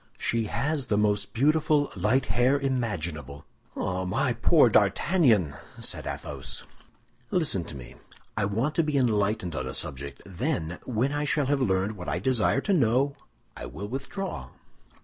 "She has the most beautiful light hair imaginable!" "Ah, my poor D'Artagnan!" said Athos. "Listen to me! I want to be enlightened on a subject; then, when I shall have learned what I desire to know, I will withdraw."